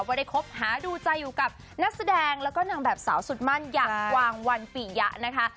ได้คบหาดูใจอยู่กับนักแสดงแล้วก็นางแบบสาวสุดมั่นอย่างกวางวันปียะนะคะ